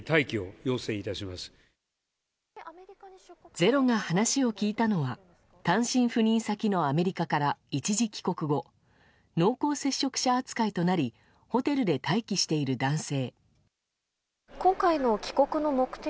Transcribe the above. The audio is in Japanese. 「ｚｅｒｏ」が話を聞いたのは単身赴任先のアメリカから一時帰国後濃厚接触者扱いとなりホテルで待機している男性。